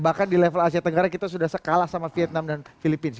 bahkan di level asia tenggara kita sudah sekalah sama vietnam dan filipina